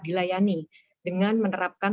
dilayani dengan menerapkan